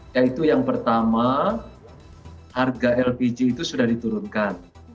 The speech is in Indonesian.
yaitu yang pertama harga lpg itu sudah diturunkan